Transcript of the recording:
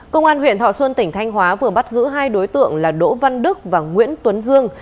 công an huyện thọ xuân tỉnh thanh hóa vừa bắt giữ hai đối tượng là đỗ văn đức và nguyễn tuấn dương